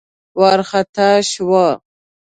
وار خطا شوه.